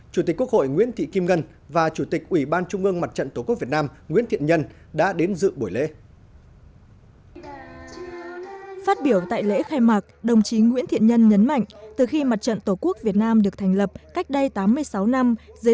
chủ tịch quốc hội nguyễn thị kim ngân và chủ tịch ủy ban trung ương mặt trận tổ quốc việt nam